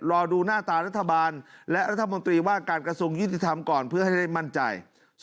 รอดูหน้าตารัฐบาลและรัฐมนตรีว่าการกระทรวงยุติธรรมก่อนเพื่อให้ได้มั่นใจ